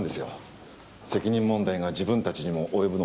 責任問題が自分たちにも及ぶのを恐れてね。